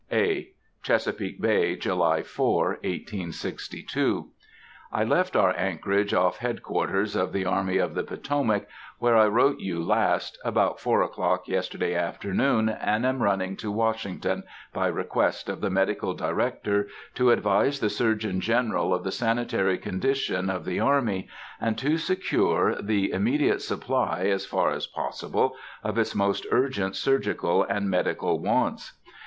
(A.) Chesapeake Bay, July 4, 1862.—I left our anchorage off Head quarters of the Army of the Potomac, where I wrote you last, about four o'clock yesterday afternoon, and am running to Washington, by request of the Medical Director, to advise the Surgeon General of the sanitary condition of the army, and to secure the immediate supply, as far as possible, of its most urgent surgical and medical wants.